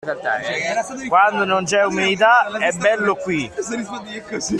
Quando non c’è umidità è bello qui.